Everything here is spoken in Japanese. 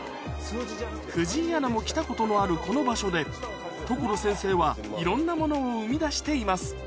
藤井アナも来たことのあるこの場所で所先生はいろんなものを生み出しています